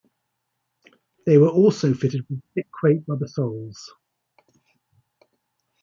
They were also fitted with thick crepe rubber soles.